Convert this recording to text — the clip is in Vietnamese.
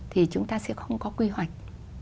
thì chúng ta sẽ không có quy hoạch